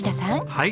はい。